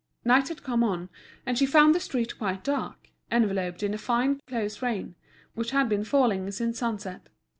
Night had come on, and she found the street quite dark, enveloped in a fine close rain, which had been falling since sunset.